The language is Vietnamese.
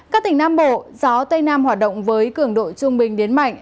các tỉnh nam bộ gió tây nam hoạt động với cường độ trung bình đến mạnh